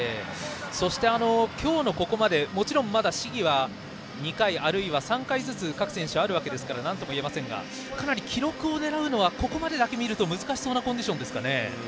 そして、今日のここまでもちろん試技は２回、あるいは３回ずつ各選手あるわけですからなんともいえませんがかなり記録を狙うのはここまでだけ見ると難しそうなコンディションですか。